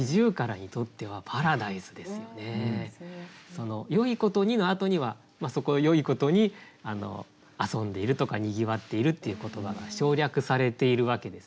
その「よいことに」のあとにはそこをよいことに遊んでいるとかにぎわっているっていう言葉が省略されているわけですよね。